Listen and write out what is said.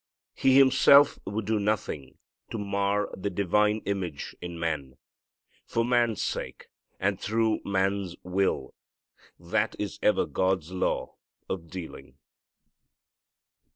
He Himself would do nothing to mar the divine image in man. For man's sake, and through man's will that is ever God's law of dealing.